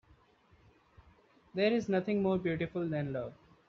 There's nothing more beautiful than love.